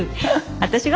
私が？